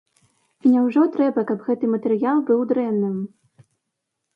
І няўжо трэба, каб гэты матэрыял быў дрэнным?